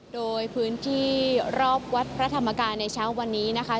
โดยพื้นที่รอบวัดพระธรรมกายในเช้าวันนี้นะคะ